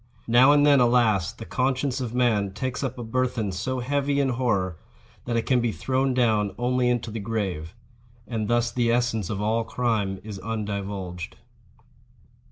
Now and then, alas, the conscience of man takes up a burthen so heavy in horror that it can be thrown down only into the grave. And thus the essence of all crime is undivulged.